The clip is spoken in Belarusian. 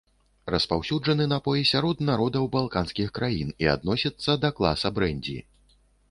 Распаўсюджаны напой сярод народаў балканскіх краін і адносіцца да класа брэндзі.